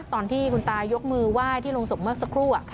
ตอนที่คุณตายกมือไหว้ที่โรงศพเมื่อสักครู่